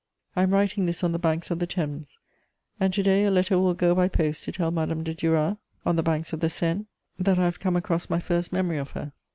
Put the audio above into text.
I am writing this on the banks of the Thames, and to day a letter will go by post to tell Madame de Duras, on the banks of the Seine, that I have come across my first memory of her.